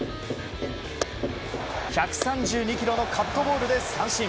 １３２キロのカットボールで三振。